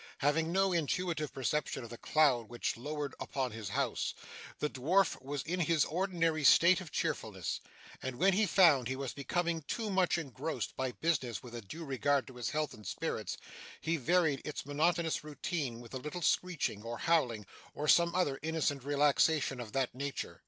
Having no intuitive perception of the cloud which lowered upon his house, the dwarf was in his ordinary state of cheerfulness; and, when he found he was becoming too much engrossed by business with a due regard to his health and spirits, he varied its monotonous routine with a little screeching, or howling, or some other innocent relaxation of that nature.